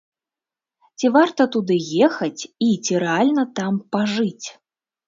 Ці варта туды ехаць і ці рэальна там пажыць?